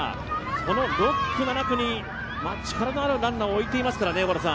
その６区、７区に力のあるランナーを置いていますからね。